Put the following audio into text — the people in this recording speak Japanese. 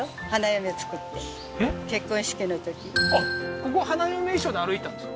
あっここ花嫁衣装で歩いたんですか？